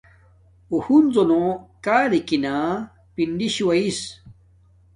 اُو ہنزو نو کارکی نانا پنڈی شُو ایس۔